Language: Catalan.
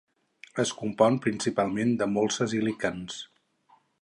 Es compon principalment de molses i líquens.